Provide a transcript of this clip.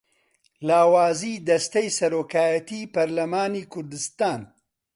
لاوازیی دەستەی سەرۆکایەتیی پەرلەمانی کوردستان